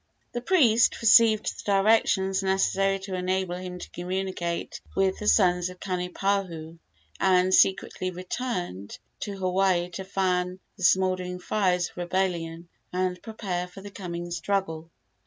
The priest received the directions necessary to enable him to communicate with the sons of Kanipahu, and secretly returned to Hawaii to fan the smouldering fires of rebellion and prepare for the coming struggle.